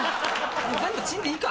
全部チンでいいか。